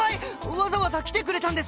わざわざ来てくれたんですか！？